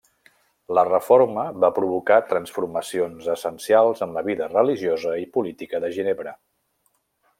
La Reforma va provocar transformacions essencials en la vida religiosa i política de Ginebra.